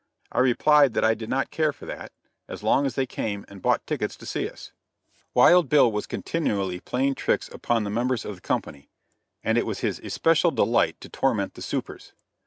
I replied that I did not care for that, as long as they came and bought tickets to see us. Wild Bill was continually playing tricks upon the members of the company, and it was his especial delight to torment the "supers."